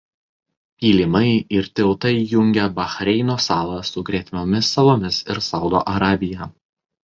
Pylimai ir tiltai jungia Bahreino salą su gretimomis salomis ir Saudo Arabija.